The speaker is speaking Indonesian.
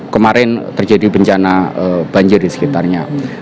kemarin terjadi bencana banjir di sekitarnya